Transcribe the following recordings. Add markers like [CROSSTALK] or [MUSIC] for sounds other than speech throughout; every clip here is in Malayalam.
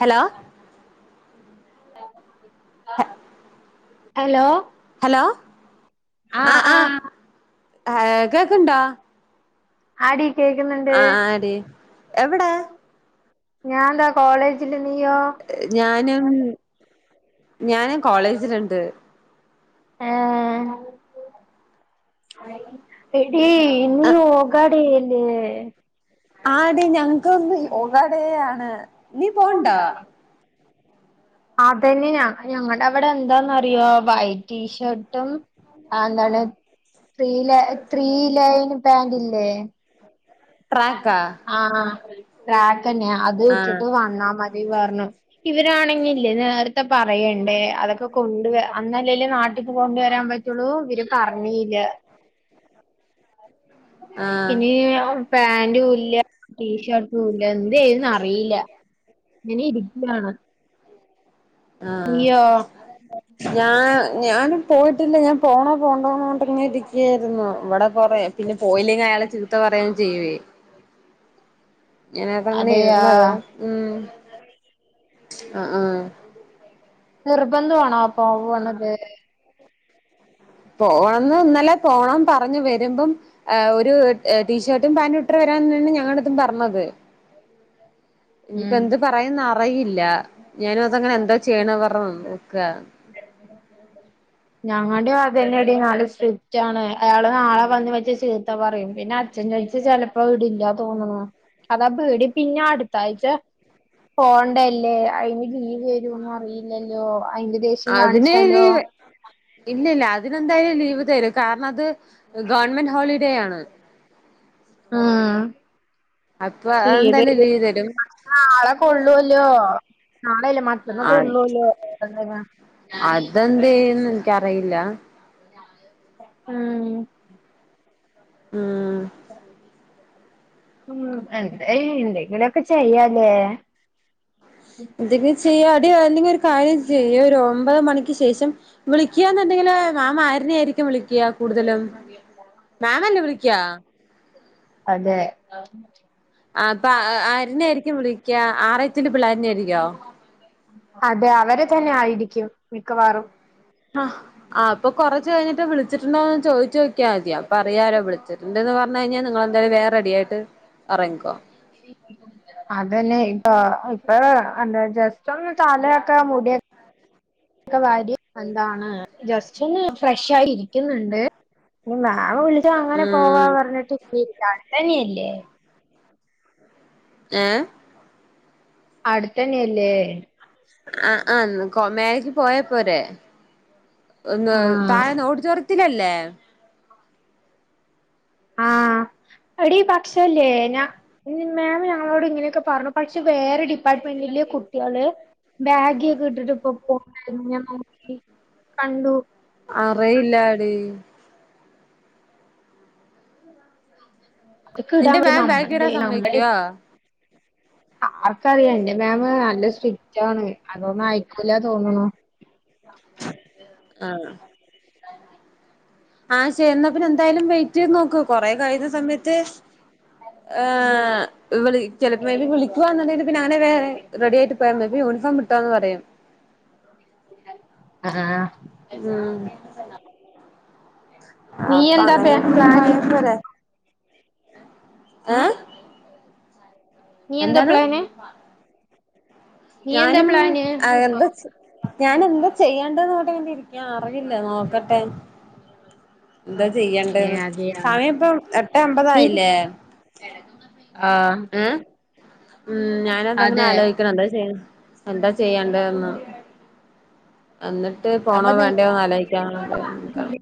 ഹലോ ഹല്ലോ ലോ അആ ആഹ് ആഹ് കേക്ക്ണ്ടോ ആടി കേക്കുന്നുണ്ട് അ ആ ആടി എവടെ ഞാൻതാ കോളേജ് ഹ് ഞാനും ഞാനും കോളേജില്ണ്ട് ഏ എടീ നീ ആ ഓഗാടിയില്ലേ ആടി ഞങ്ങക്ക്ന്ന് ഓഗാടെയാണ് നീ പോണ്ടാ അതന്നെ ഞ ഞങ്ങടെ ഇവടെ എന്താന്നറിയോ വൈറ്റ് ടീ ഷർ ട്ടും ആ എന്താണ് ത്രീ ലെ ത്രീ ലൈൻ പാന്റ് ഇല്ലേ? ട്രാക്കാ ആ ട്രാക്കന്നെ അത് ആ ഇട്ടിട്ട് വന്നാ മതിന്ന് പറഞ്ഞു ഇവരാണെങ്കില്ലേ നേര ത്തെ പറയണ്ടെ അതൊക്കെ കൊണ്ട് വ അന്നന്നെ [UNINTELLIGIBLE] നാട്ടിക്ക് കൊണ്ട് വരാൻ പറ്റുള്ളൂ ഇവര് പറഞ്ഞില്ല. ആ ഇനി പാന്റും ഇല്ലാ ടീ ഷർ ട്ടുമില്ല്യാ എന്ത് ചെയ്യോന്ന് അറിയില്ല ഇങ്ങനെ ഇരിക്യാണ് ആ നീയോ? ഞാൻ ഞാനും പോയിട്ടില്ല ഞാൻ പോണോ പോണ്ടോന്നോണ്ടിങ്ങനിരിക്കയാരുന്നു ഇവിടെ കൊറേ പിന്നെ പോയില്ലെങ്കിൽ അയാളെ ചീത്ത പറയ്യും ചെയ്യുവേ ഞാനതാ അങ്ങനെ അതെയാ ഇരുന്നത് ഉം അ ആ നിർബന്ധമാണോ അപ്പം പോണത്? പോണന്ന് ഇന്നലെ പോണം പറഞ്ഞു വരുമ്പം. ആ ഒരു ടീ ഷർട്ടും പാന്റും [UNINTELLIGIBLE] വരാൻ ആണ് ഞങ്ങടത്തും പറ ഞ്ഞത്. ഇനിപ്പ ഉം എന്ത് പറയുന്നറയില്ല ഞാനും അതങ്ങനെ എന്താ ചെയ്യണെ പറ നിക്കാ. ഞങ്ങടേം അത് തന്നെടി നല്ല സ്ട്രിക്റ്റ് ആണ് അയാള് നാളെ വന്ന് വെച്ച് ചീത്ത പറയും പിന്നെ അച്ഛൻ ചോയ്ച്ച് ചെലപ്പോ വിടില്ലാ തോന്നണു അതാ പേടി പിന്നെ അടു ത്തായിച്ച പോണ്ടല്ലേ അയിന് ലീവരോന്ന് അറിയില്ലല്ലോ അയിന്റെ ദേശ്യം കാണിച്ചാലോ ല്ല അതിനെന്തായാലും ലീവ് തരും കാരണം അത് ഗവൺമെന്റ് ഹോളിഡേ ആണ് അപ്പൊ എന്തായാലും സ്പീഡെയ്ത് ലീവ് തരും ആ നാളെക്കൊള്ളൊവല്ലോ നളെല്ലെ അ മറ്റാന്നാക്കൊള്ളൊല്ലോ [UNINTELLIGIBLE] ഇന്ക്കറിയില്ല ഉം ഉം ഉം എന്തായി എന്തെങ്കിലൊക്കെ ചെയ്യാല്ലേ എന്തെങ്കിലും ചെയ്യാടി അല്ലെങ്കി ഒരു കാര്യം ചെയ്യ് ഒരു ഒമ്പത് മണി ക്ക് ശേഷം വിളിക്കാന്നുണ്ടെങ്കില് മാം ആര്നേയിരിക്കും വിളിക്ക്യാ കൂടുതലും മാമല്ലേ വിളിക്ക്യാ അതെ [UNINTELLIGIBLE] അപ്പ അ ആ ആര്നേയിരിക്കും വിളിക്ക്യാ ആറ് എച്ചിന്റെ പിള്ളേര്നേയിരിക്കോ അതെ അവരെ തന്നെ ആയിരിക്കും മിക്കവാറും ആഹ് ആ അപ്പൊ കൊറച്ച് കഴ്ഞ്ഞിട്ട് വിളിച്ച് ട്ട്ണ്ടോന്ന് ചോയിച്ചോക്ക്യാദ്യം അപ്പ അറിയാലോ വിളിച്ച്ട്ട്ണ്ട്ന്ന് പറ്ഞ്ഞഴിഞ്ഞാൽ നിങ്ങളെന്തായാലും വേം റെഡിയായിട്ട് അറങ്ങിക്കോ അതന്നെ ഇപ്പൊ ഇപ്പൊ ആ എന്താ ജസ്റ്റൊന്ന് തലയൊക്കെ മുടിയൊക്കെ വാരി എന്താണ് ജസ്റ്റ് ഒന്ന് ഫ്രഷായി ഇരിക്കിന്ന്ണ്ട് ഇനി മാമ് വിളി ച്ചാ അങ്ങനെ പോവാ ഉം പറഞ്ഞിട്ട് [UNINTELLIGIBLE] ഏ ഏഹ് അടുത്തന്നേല്ലേ ആ ആന്ന് കൊ മ്മേക്ക് പോയപ്പോരെ ഒന്ന് ആഹ് തായെന്ന് ഓടിച്ചറ ത്തിലല്ലേ ആ എടീ പക്ഷേയില്ലേ ഞ മാം ഞങ്ങളോട് ഇങ്ങനെയൊക്കെ പറഞ്ഞു പക്ഷേ വേറെ ഡിപ്പാർട്ട്മെന്റില് കു ട്ട്യാള് ബാഗിയൊക്കെ ഇട്ടിട്ട് പോ [UNINTELLIGIBLE] നോക്കി കണ്ടു അറിയില്ലാടി ഇതൊക്കെ ഇടാൻ നിന്റെ പറ്റും മാം നമ്മടെ ബേഗിടാൻ നമ്മടെ സമ്മയിക്കുവോ ആർക്കറിയാം എന്റെ മാമ് നല്ല സ്‌ട്രിക്കറ്റാണ് അതൊന്നും അയക്കൂല തോന്നുണൂ ആഹ് ആ ശെ ന്ന പിന്നെന്തായാലും വെയിറ്റ് ചെയ്ത് നോക്കൂ കൊറെ കഴിയുന്ന സമയത്ത് ആ [UNINTELLIGIBLE] ചെലപ്പേല് വിളിക്കുവാന്നണ്ടെങ്കില് പിന്നെ അങ്ങനെ വേറെ റെഡിയായിട്ട് പോയാ മതി യൂണിഫോമി ട്ടാന്ന് പറയും ആഹ് മ്മ് നീ അപ്പം എന്താ പേ അങ്ങനെ പ്ലാന് പറയപ്പോരെ ഏ ഉം നീ എന്താ എന്താന്ന് പ്ലാന് നീ എന്താ ഞാനും പ്ലാന് എന്താ ചെ ഞാന് എന്താ ചെയ്യേണ്ടന്ന് പറഞ്ഞിട്ട് ഇങ്ങനെ ഇരിക്കാണ് അറിയില്ല നോക്കട്ടെ എന്താ ഏഹ് ചെയ്യേണ്ടെന്ന് അതെയാ സമയം ഇപ്പം എട്ടേ നീ അമ്പതായില്ലേ ആഹ് മ്മ് മ്മ് ഞാനതങ്ങനെ അതെ ആലോയിക്കാണോണ്ട് എന്താ ചെയ്യ എന്താ ചെയ്യണ്ടേന്ന് അന്നിട്ട് അപ്പൊ പോണോ നിങ്ങ വേണ്ടോന്ന് ആലോയിക്കന്നുള്ള ഇതില് നിക്കാണ്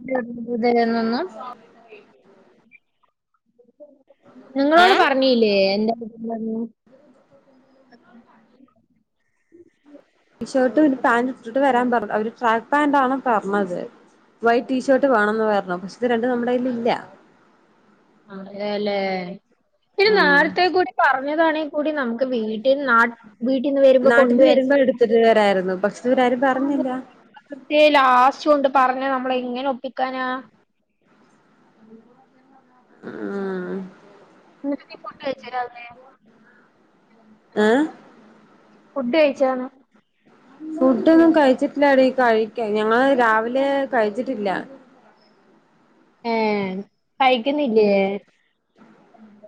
[UNINTELLIGIBLE] എന്നൊന്നും [INAUDIBLE] ഞങ്ങളോട് ഏഹ് പറഞ്ഞീല്ലേ എന്താപ്പോ [UNINTELLIGIBLE] ഷർട്ടും പാന്റ് ഇട്ടിട്ട് വരാൻ പറ അവര് ട്രാക്ക് പാൻ്റാണ് പറഞ്ഞത് വൈറ്റ് ടീഷർട്ട് വേണന്ന് പറ പക്ഷത് രണ്ടും നമ്മടെ കൈയിലില്ല ആ അല്ലേലേ ഇത് ഉം നേരത്തെ കൂടി പറഞ്ഞതാണെ കൂടി നമക്ക് വീട്ടിന്ന് നാ വീട്ടിന്ന് വരുമ്പ നാട്ടിന്ന് കൊണ്ടുവര വരുമ്പോ എടുത്തിട്ട് വരായിരുന്നു പക്ഷെ ഇവരാരും പറഞ്ഞില്ല [UNINTELLIGIBLE] ലാസ്റ്റ് കൊണ്ട് പറഞ്ഞ നമ്മള ഇങ്ങനെ ഒപ്പിക്കാനാ മ്മ് നി ഫോട്ടോ അയച്ചു താരോ അ ഏ ഫുഡ് കഴിച്ചോന്ന്. ഫുഡ് ഒന്നും കഴിച്ചിട്ടില്ലടി കഴിക്കാ ഞങ്ങള് രാവിലെ കഴിച്ചി ട്ടില്ല. ഏ ഉം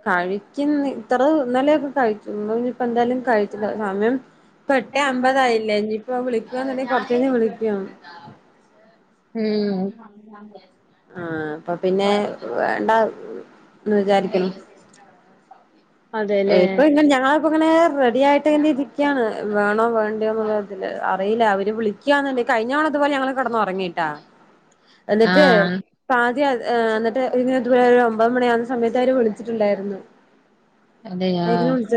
കഴിക്കുന്ന് ഇത്ര ന്നലെ കഴിച്ചു ഇന്ന് ഇനിയിപ്പോ എന്തായാലും കഴിച്ചില്ല സമയം ഇപ്പം എട്ടേ അമ്പതായില്ലേ ഇനിയിപ്പം വിളിക്കാന്നുണ്ടെങ്കിൽ കൊറച്ചു കയിഞ്ഞാ വിളിക്കും രാവിലത്തെ ഉം ആ അപ്പൊ പിന്നെ വേണ്ടാ വിചാരിക്കല്ലേ അതെല്ലേ ഇപ്പം ന്നെ ഞങ്ങളൊക്കെ ങ്ങനെ റെഡിയായിട്ട്ങ്ങനെ ഇരി ക്കാണ് വേണോ വേണ്ടയോന്നുള്ളതില് അറീല്ല അവര് വിളികാന്ന്ണ്ടങ്കി കഴിഞ്ഞതവണ ഇതുപോലെ ഞങ്ങള് കെടന്ന് ഉറങ്ങിട്ടോ എന്നിട്ട് ആഹ് ആദ്യ ന്നട്ട് ഇതുപോലെ ഒരു ഒമ്പത് മണി ആകുന്ന സമയത്ത് അവര് വിളി ത്തിട്ടുണ്ടായിരുന്നു അതെയോ അയിന് വിളിച്ച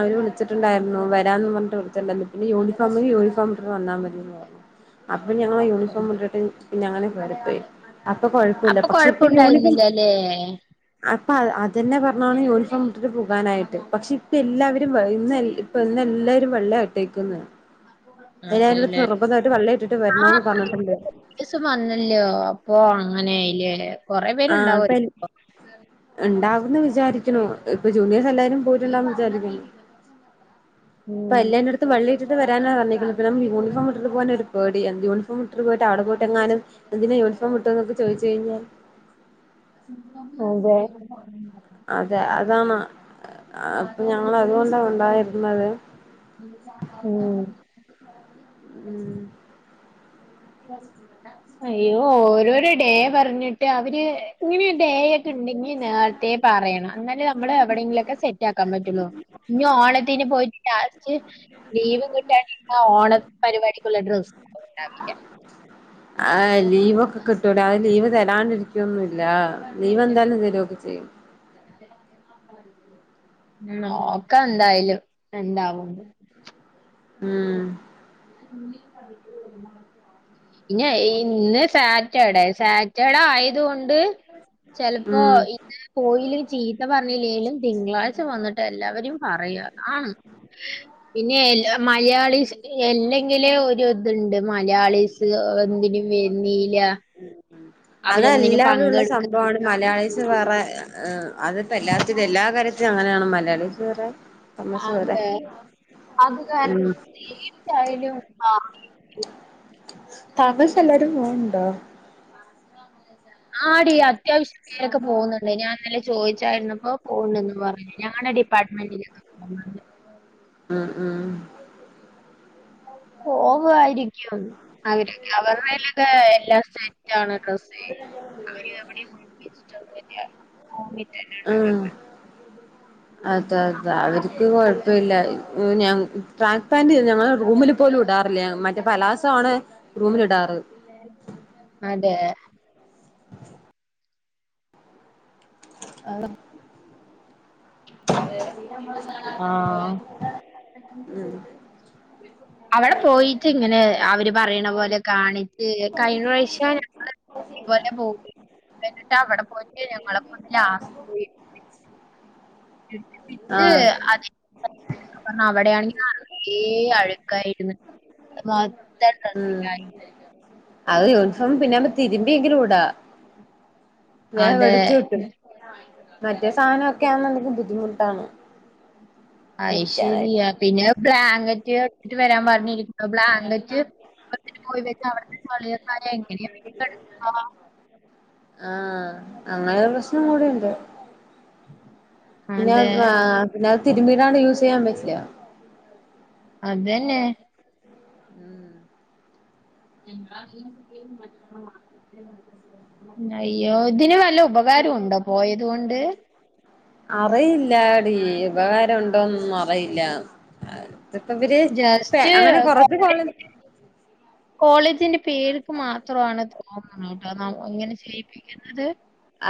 അവര് വിളിച്ചിട്ടുണ്ടായിരുന്നു വരാന്ന് പറഞ് ത്തിണ്ടന്ന് പിന്നെ യൂണിഫോമിന് യൂണഫോം വന്നാമതിന്ന് പറഞ്ഞു അപ്പൊ ഞങ്ങൾ യൂണിഫോമിട്ടിട്ട് പിന്നെങ്ങനെ കേറി പോയി അപ്പൊ കൊഴപ്പുല്ല അപ്പൊ പക്ഷെ ഇപ്പൊ യൂണിഫോം കൊഴപ്പുണ്ടായിരുന്നില്ലല്ലേ ആ അപ്പം അതന്നെ പറഞ്ഞാണ് യൂണഫോമിട്ടിട്ട് പോവാനായിട്ട് പക്ഷെ ഇപ്പം എല്ലാവരുംവൈ [UNINTELLIGIBLE] ഇന്ന് പ്പ ഇന്ന് എല്ലാവരും വെള്ളയാ ട്ടേക്ക് ന്ന് അതേലേ ഇട്ടിട്ട് ആ വരണോന്ന് പറഞ്ഞിട്ടുണ്ട് ദിവസം വന്നല്ലോ അപ്പം അപ്പൊ അങ്ങനെയി ല്ലേ കൊറെ പേരുണ്ടാവല്ലോ ഉണ്ടാകുന്നു വിചാരി ക്കുന്നു ഇപ്പൊ ജൂനിയേഴസ് എല്ലാരും പോയിട്ടല്ലാം [UNINTELLIGIBLE] അപ്പം ഉം എല്ലാരെടുത്തും വള്ളിയിട്ട് വരാനാ പറഞേക്കുന്ന പിന്നെ യൂണിഫോം ഇട്ടിട്ട് പോകാൻ ഒരു പേടി എന്ത് യൂണിഫോം ഇട്ട പോയിട്ട് അവിടെ പോയിട്ട എങ്ങാനുംഇത് എന്തിനാ യൂണിഫോം ഇട്ടത് എന്നൊക്കെ ചോദിച്ചു കഴിഞ്ഞാൽ അതെ അതെ അതാണ് അപ്പൊ ഞങ്ങ അതുകൊണ്ടാ ഉണ്ടായിരുന്നത് ഉം ഉം അയ്യോ ഓരോരോ ഡേ പറഞ്ഞിട്ട് അവര് ഇങ്ങനെ ഡേ ഉണ്ടെങ്കിൽ നേരത്തെേ പറയണം എന്നലേ നമ്മൾ എവിടെങ്കിലുക്കെ സെറ്റാക്കാൻ പറ്റുള്ളൂ ഇഞ്ഞ് ഓണത്തിന് പോയിട്ട് ലാസ്റ്റ് ലീവ് കിട്ടാണ്ടിരുന്ന ഓണ പരിപാടിക്കുള്ള ഡ്രസ്സ് ഉണ്ടാവില്ല ആഹ് ലീവൊക്കെ കിട്ടൂല അഹ് ലീവ് തരാണ്ടിരിക്കുവന്ന ല്ല ലീവ് എന്താലും തരും ലൊ ചെയ്യും ഉം നോക്കന്തായാലും എന്താവുന്ന് ഉം ഇഞ്ഞ ഇന്ന് സാറ്റർഡേ സാറ്റർഡേ ആയത് കൊണ്ട് ണ്ട് ചെലപ്പോ ഉം [UNINTELLIGIBLE] പോയിലെ ചീത്ത പ ലെലും തിങ്ളാഴ്ച വന്നിട്ട് എല്ലാവരേം പറയുക ആണ് പിന്നെ മലയാളീസ് എല്ലെങ്കിലും ഒരു ഇതുണ്ട് മലയാളി സ് എന്തിനും വെര്ന്നീല അതെല്ലാവിടെ ള്ള സംഭവണ് മലയാളി [UNINTELLIGIBLE] അതിപ്പോ എല്ലാത്തിന് എല്ലാ കാര്യത്തിനും അങ്ങനെയാണ് മലയാളിസ് വേറെ തമസ് വേറെ അതെ അത് ഉം കാരണം തീച്ചായാലും ആ താമസ എല്ലാരും പോുണ്ടോ ആ ഡീ അത്യാശ്യം പേരൊക്കെ പോന്നൊ ണ്ട് ഞാൻന്നല്ലെ ചോദിച്ചാര്ന്ന് പ്പോ പോണ്ടന്ന് പറഞ്ഞ ഞങ്ങട ഡിപ്പാർട്ട്മെന്റില് [UNINTELLIGIBLE] ഉം ഉം പോവാരിക്കും അവരെ അവരുടെലൊക്കെ എല്ലാ സെറ്റാണ് ഡ്രസ്സ് അവര്തവിടെ കുപ്പിച്ചിട്ടുണ്ട് ഓ ണ്ട ആഹ് [UNINTELLIGIBLE] അതെ അതെ അവര്ക്ക് കൊഴപ്പില്ല ഞാൻ ട്രാക്പാന്റ് ഞങ്ങള് റൂമിൽ പോലും ഇടാറില്ലേ മ ച് പലാസാണ് റൂമിൽ ഇടാറ് അതെ അഹ് ആ അവിടെ പോയിട്ട് ഇങ്ങനെ അവര് പറയണ പോലെ കാണി [UNINTELLIGIBLE] കഴിഞ്ഞ വാശ്യം [UNINTELLIGIBLE] പോലെ [UNINTELLIGIBLE] ആഹ് [UNINTELLIGIBLE] അവടെയാണെങ്ക് ആ ഏ അഴുക്കായിര്ന്ന് [UNINTELLIGIBLE] അഹ് യൂണിഫോം പിന്നാണ്ട് തിരി ബിയെങ്കിലുടാ വേ അതെ വടിച് കിട്ടും മറ്റേ സാനോക്കെ ആന്നുണ്ടെങ്കി ദ്ധിമുട്ടാണ് അഹ് ശരിയാ പിന്നെ ബ്ലാ നെറ്റ് വേറ്റ് വരാം പർഞ്ഞി ബ്ലാങ്കറ്റ് [UNINTELLIGIBLE] പോയി വച്ച് അവിടുത്തെ [UNINTELLIGIBLE] എങ്ങനെയ ആഹ് അങ്ങനൊരു പ്രശ്നം കൂടിയുണ്ട് പിന്നെ അതെ ഹ് ആ പിന്നെഹ് തിര്ബിടാണ്ട് യൂസെയ്യാൻ പറ്റില്ല അതന്നെ ഉം അയ്യോ ഇതിന് വല്ല ഉപകാരം ഉണ്ടോ പോയത് കൊണ്ട് അറിയില്ലടീ ഉപകാരം ഉണ്ടോനൊന്നും അയില്ല ജസ്റ്റ് കോള കോളേജിന്റെ പേര്ക്ക് മാത്രമാണത് തോന്നണ് കേട്ടോ ന ഇങ്ങനെ ചെയ്യിപ്പിക്കുന്നത്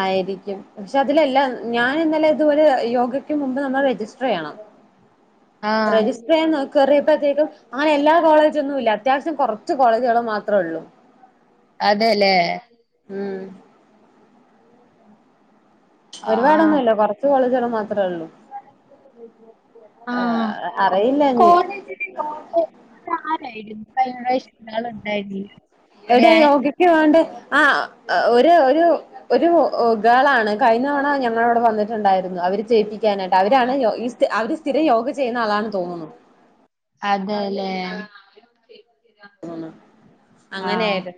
ആയിരിക്കും പക്ഷെ അതിലെല്ലാം ഞാൻ ഇന്നലെ അതും ഒരു യോഗ അതിന് മുൻപ് നമ്മൾ രജിസ്റ്റർ ചെയ്യണം ആ രജിസ്റ്റർ ചെയ്യാൻ നോ കേറിയപ്പോത്തേക്കും അങ്ങനെ എല്ലാ കോളേജൊന്നും ഇല്ല അത്യാവശ്യം കൊറച്ച് കോളേജുകള് മാത്രേ ഉള്ളൂ അതെല്ലേ ആ ഒരുപാടൊന്നുമില്ല കൊറച്ചു കോളേജുകൾ മാത്രേ ഉള്ളൂ ആ അറിയില്ല ഇനി കോളേജിന്റെ ആരായിരുന്നു കഴിഞ്ഞ പ്രാവശ്യം ആളുണ്ടായിരുന്നില്ല ഒരു എവിടെയാ യോഗക്ക് പോവണ്ടേ ആ ഒരു ഒരു ഒരു ഗാളാണ് കഴിഞ്ഞ തവണ ഞ ങ്ങടവിടെ വന്നിട്ടുണ്ടായിരുന്നു അവര് സ്റ്റെഫി ക്കാനായിട്ട് അവരാണ് ഈ അവര് സ്ഥി രം യോഗ ചെയ്യുന്ന ആളാണ് തോന്നുന്നു അതേല്ലേ [INAUDIBLE] അങ്ങനെയായിട്ട്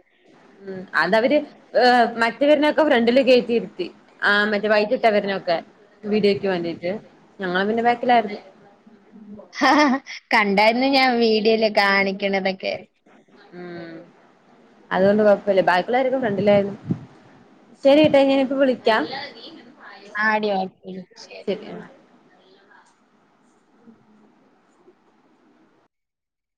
ഉം അതവര് ഏ മ റ്റവരന്ന ഒക്കെ ഫ്രണ്ടില് കേറ്റി ഇരുത്തി ആ മറ്റേ വൈറ്റിട്ടവരനൊക്കെ വീഡിയോക്ക് വേണ്ടിയിട്ട് ഞങ്ങ പിന്നെ ബാക്കിലായിരുന്നു ആ കണ്ടായിരുന്നു ഞാൻ വീഡിയോയില് കാണി ക്കണതൊക്കെ ഉം അതുകൊണ്ട് കൊഴപ്പില്ല ബാക്കിയുള്ളോരൊക്കെ ഫ്രണ്ടിലായിരുന്നു ശരിട്ടാ ഞാനിപ്പോ വിളിക്കാം ആടി ആടി ശരി ഉം